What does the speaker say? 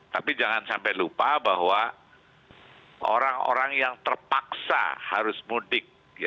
tapi jangan sampai lupa bahwa orang orang yang terpaksa harus mudik